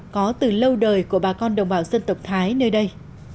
có từ lâu đời của bà con đồng bào dân tộc thái nơi đây